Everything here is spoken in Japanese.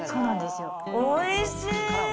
おいしい。